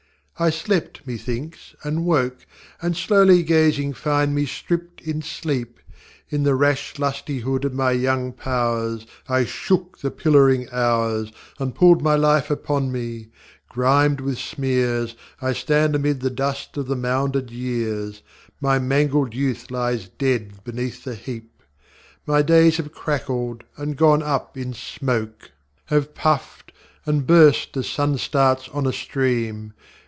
I slept, methinks, and woke, And, slowly gazing, find me stripped in sleep. In the rash lustihead of my young powers, I shook the pillaring hours And pulled my life upon me; grimed with smears, I stand amid the dust oŌĆÖ the mounded yearsŌĆö My mangled youth lies dead beneath the heap. My days have crackled and gone up in smoke, Have puffed and burst as sun starts on a stream.